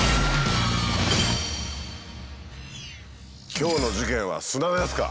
今日の事件は砂ですか。